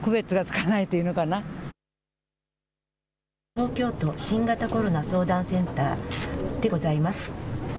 東京都新型コロナセンターでございます。